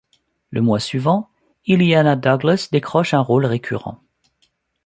Le mois suivant, Illeana Douglas décroche un rôle récurrent.